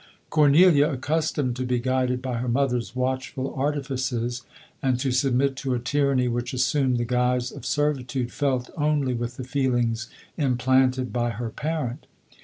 Cornelia, accustomed to be guided by her mother's watchful artifices, and to submit to a tyranny which assumed the guise of servitude, felt only with the feelings implanted by her parent.